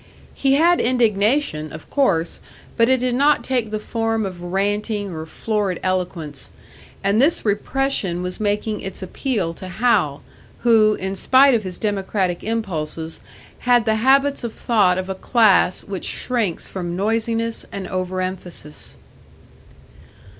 He had indignation, of course, but it did not take the form of ranting or florid eloquence; and this repression was making its appeal to Hal, who, in spite of his democratic impulses, had the habits of thought of a class which shrinks from noisiness and over emphasis.